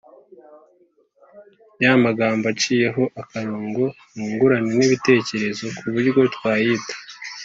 y’amagambo aciyeho akarongo mwungurane n’ibitekerezo ku buryo twayita.